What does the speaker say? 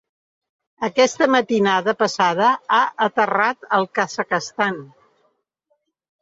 Aquesta matinada passada a aterrat al Kazakhstan.